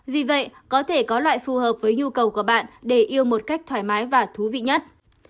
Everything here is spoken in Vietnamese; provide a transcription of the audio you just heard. vì vậy có thể có loại phù hợp với nhu cầu của bạn để yêu một cách thoải mái và thú vị nhất